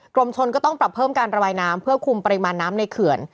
รมชนก็ต้องปรับเพิ่มการระบายน้ำเพื่อคุมปริมาณน้ำในเขื่อน